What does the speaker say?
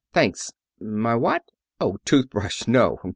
Thanks. My what? Oh, toothbrush. No.